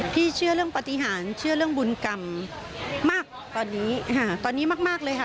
เชื่อเรื่องปฏิหารเชื่อเรื่องบุญกรรมมากตอนนี้ตอนนี้มากเลยค่ะ